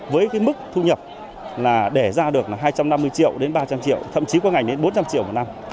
với mức thu nhập để ra được hai trăm năm mươi triệu đến ba trăm linh triệu thậm chí có ngành đến bốn trăm linh triệu một năm